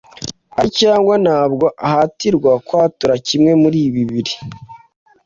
Ari cyangwa ntabwo ahatirwa kwatura kimwe muri bibiri